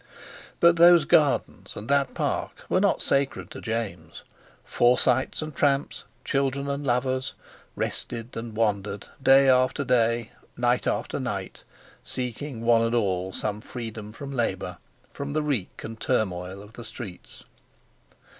But those Gardens and that Park were not sacred to James. Forsytes and tramps, children and lovers, rested and wandered day after day, night after night, seeking one and all some freedom from labour, from the reek and turmoil of the streets.